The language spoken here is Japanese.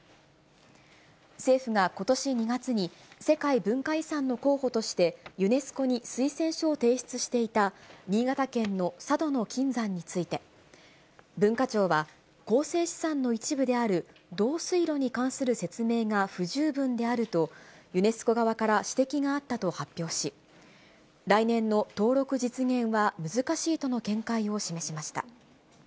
政府がことし２月に世界文化遺産の候補として、ユネスコに推薦書を提出していた新潟県の佐渡島の金山について、文化庁は、構成資産の一部である導水路に関する説明が不十分であると、ユネスコ側から指摘があったと発表し、来年の登録実現は難しいとの見解を示しました。